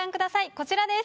こちらです。